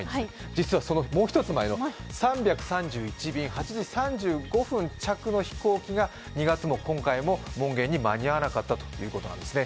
実はもう一つ前の３３１便、８時３５分着の飛行機が２月も今回も門限に間に合わなかったということですね。